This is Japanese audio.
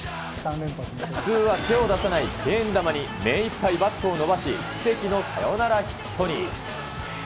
普通は手を出さない敬遠球に目いっぱいバットを伸ばし、奇跡のサヨナラヒットに。